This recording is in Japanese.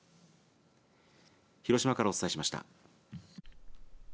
広島からお伝えしました。